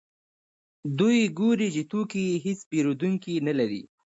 دوی ګوري چې توکي یې هېڅ پېرودونکي نلري